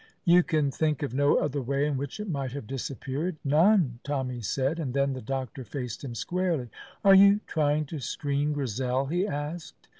"You can think of no other way in which it might have disappeared?" "None," Tommy said; and then the doctor faced him squarely. "Are you trying to screen Grizel?" he asked.